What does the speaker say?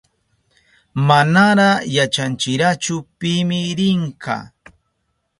Manara yachanchirachu pimi rinka.